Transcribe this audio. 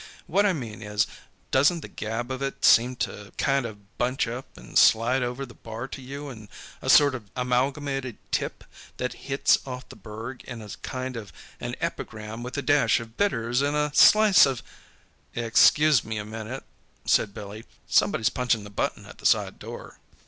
What I mean is, doesn't the gab of it seem to kind of bunch up and slide over the bar to you in a sort of amalgamated tip that hits off the burg in a kind of an epigram with a dash of bitters and a slice of " "Excuse me a minute," said Billy, "somebody's punching the button at the side door."